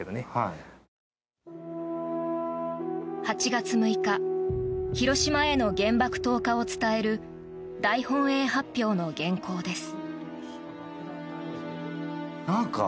８月６日広島への原爆投下を伝える大本営発表の原稿です。